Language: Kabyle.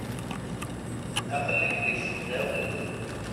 Aqqel-ik deg tesdawit.